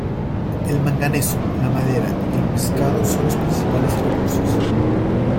El manganeso, la madera y el pescado son los principales recursos.